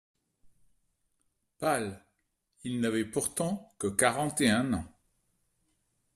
Pal.) Il n'avait pourtant que quarante et un an.